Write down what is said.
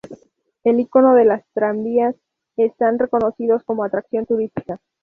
El icono de los tranvías están reconocidos como atracción turística.